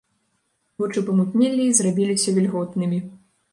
Вочы памутнелі і зрабіліся вільготнымі.